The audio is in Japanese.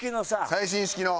最新式の。